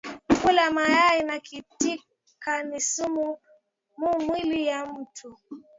Kula mayayi na kitika ni sumu mu mwili ya mutu